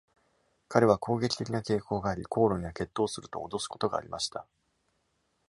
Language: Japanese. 彼は攻撃的な傾向があり、口論や決闘をすると脅すことがありました。